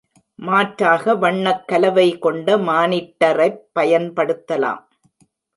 மாற்றாக, வண்ணக் கலவை கொண்ட மானிட்டரைப் பயன்படுத்தலாம்.